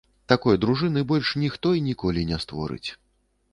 Такой дружыны больш ніхто і ніколі не створыць.